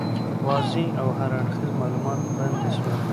واضح او هر اړخیز معلومات وړاندي سول.